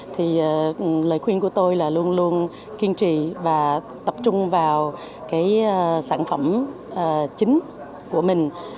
thì lời khuyên của tôi là luôn luôn kiên trì và tập trung vào cái sản phẩm chính của mình